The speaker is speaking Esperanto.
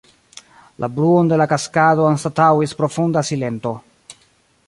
La bruon de la kaskado anstataŭis profunda silento.